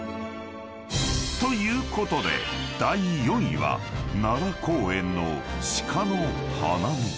［ということで第４位は奈良公園の鹿の花見］